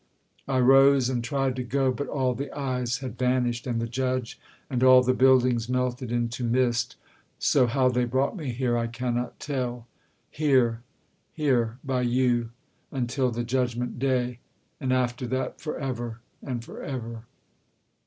I rose, and tried to go But all the eyes had vanished, and the judge; And all the buildings melted into mist: So how they brought me here I cannot tell Here, here, by you, until the judgment day, And after that for ever and for ever!